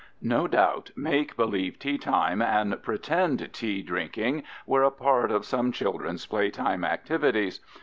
No doubt, make believe teatime and pretend tea drinking were a part of some children's playtime activities.